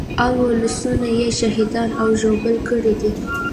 عام ولسونه يې شهیدان او ژوبل کړي دي.